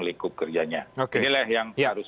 lingkup kerjanya inilah yang harus